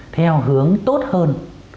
theo hướng tốt hơn